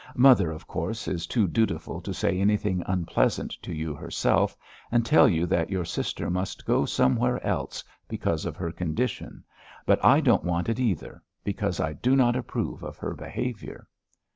Mother, of course, is too dutiful to say anything unpleasant to you herself, and tell you that your sister must go somewhere else because of her condition, but I don't want it either, because I do not approve of her behaviour."